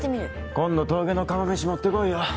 今度「峠の釜めし」持って来いよ。